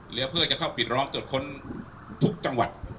เหลือเพื่อจะเข้าปิดล้อมตรวจค้นทุกจังหวัด